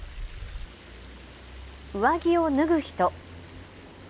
上着を脱ぐ人。